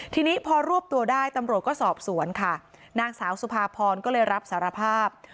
ทีนี้พอรวบตัวได้ตำรวจก็สอบสวนค่ะนางสาวสุภาพรก็เลยรับสารภาพ